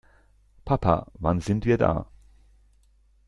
Papa, wann sind wir da?